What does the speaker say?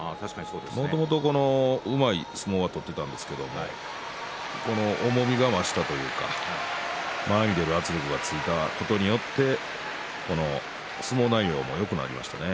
もともとうまい相撲を取っていたんですが重みが増したというか前に出る圧力が増したことによって相撲内容もよくなりましたね。